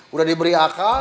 udah diberi akal